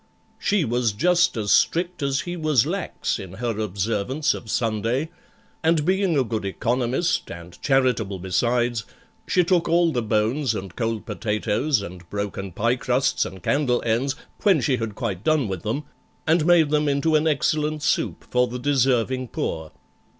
She was just as strict as he was lax in her observance of Sunday, And being a good economist, and charitable besides, she took all the bones and cold potatoes and broken pie crusts and candle ends (when she had quite done with them), and made them into an excellent soup for the deserving poor.